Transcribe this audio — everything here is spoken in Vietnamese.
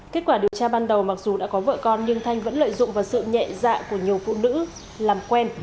kết quả điều tra ban đầu mặc dù đã có vợ con nhưng thanh vẫn lợi dụng vào sự nhẹ dạ của nhiều phụ nữ làm quen